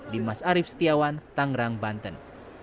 dimas arief setiawan tangerang banten